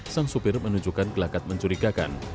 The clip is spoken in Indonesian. sang supir menunjukkan gelakat mencurigakan